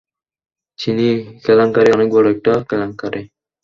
চিনি কেলেংকারী অনেক বড় একটা কেলেংকারী।